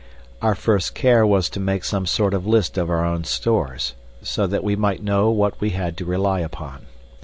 Our first care was to make some sort of list of our own stores, so that we might know what we had to rely upon.